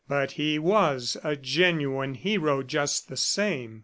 ... But he was a genuine hero, just the same!